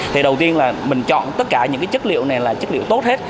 thì đầu tiên là mình chọn tất cả những cái chất liệu này là chất liệu tốt hết